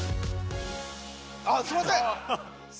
あっすいません。